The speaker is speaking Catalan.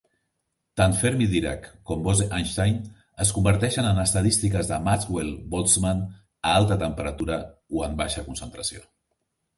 Tant Fermi-Dirac com Bose-Einstein es converteixen en estadístiques de Maxwell-Boltzmann a alta temperatura o en baixa concentració.